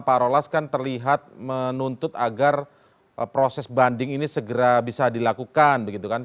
pak rolas kan terlihat menuntut agar proses banding ini segera bisa dilakukan begitu kan